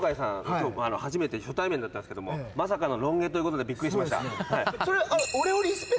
今日初めて初対面だったんですけどもまさかのロン毛ということでびっくりしました。